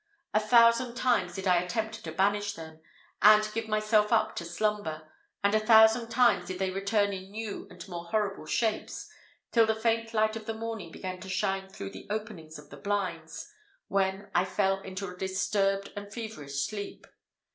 A thousand times did I attempt to banish them, and give myself up to slumber, and a thousand times did they return in new and more horrible shapes; till the faint light of the morning began to shine through the openings of the blinds, when I fell into a disturbed and feverish sleep.